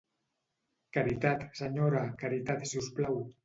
Caritat, Senyora, caritat si us plau.